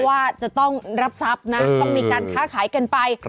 ว่าจะต้องรับทรัพย์นะต้องมีการค้าขายกันไป